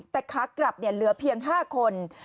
แต่ขากลับเหลือเพียง๕คน